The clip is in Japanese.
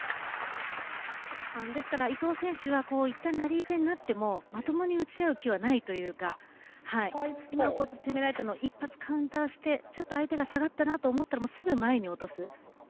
伊藤選手はいったんラリー戦になってもまともに打ち合う気はないというか今、攻められたのを一発カウンターして、相手が下がったなと思ったらすぐ前に落とす。